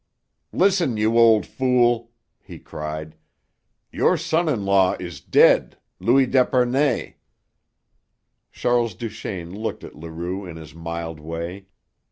"Listen, you old fool!" he cried. "Your son in law is dead Louis d'Epernay!" Charles Duchaine looked at Leroux in his mild way.